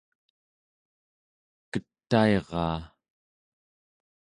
ketairaa